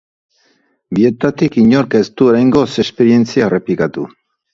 Bietatik inork ez du oraingoz esperientzia errepikatu.